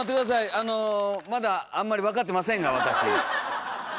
あのまだあんまり分かってませんが私。